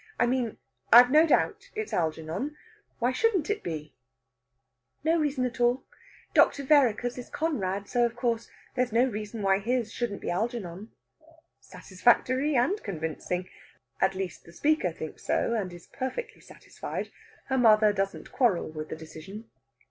I mean, I've no doubt it's Algernon. Why shouldn't it be?" "No reason at all. Dr. Vereker's is Conrad, so, of course, there's no reason why his shouldn't be Algernon." Satisfactory and convincing! At least, the speaker thinks so, and is perfectly satisfied. Her mother doesn't quarrel with the decision.